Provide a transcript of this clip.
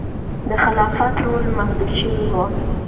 د خلافت رول محدود شوی و.